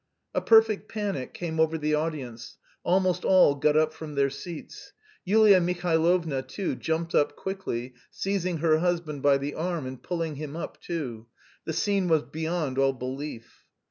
A perfect panic came over the audience, almost all got up from their seats. Yulia Mihailovna, too, jumped up quickly, seizing her husband by the arm and pulling him up too.... The scene was beyond all belief.